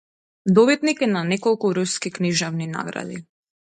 Добитник е на неколку руски книжевни награди.